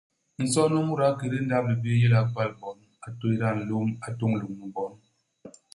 Nson u muda ikédé ndap-libii u yé le a gwal bon, a tééda nlôm, a tôñ lôñni bon.